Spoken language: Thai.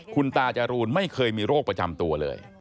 คุณตาจรูนไม่เคยมีโรคประจำตัวเลย